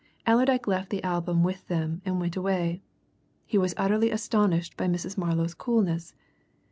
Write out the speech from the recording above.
Allerdyke left the album with them and went away. He was utterly astonished by Mrs. Marlow's coolness.